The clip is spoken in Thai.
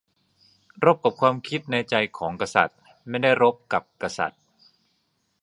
"รบกับความหลงผิดในใจของกษัตริย์ ไม่ได้รบกับกษัตริย์"